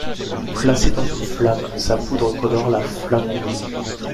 Placée dans une flamme, sa poudre colore la flamme en vert.